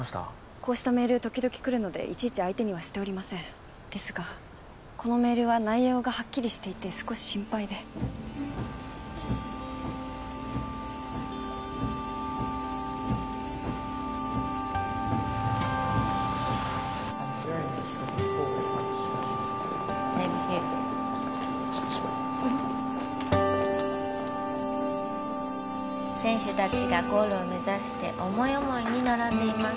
こうしたメール時々来るのでいちいち相手にはしておりませんですがこのメールは内容がはっきりしていて少し心配で「せんしゅたちがゴールをめざしておもいおもいにならんでいます」